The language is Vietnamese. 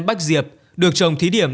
bách diệp được trồng thí điểm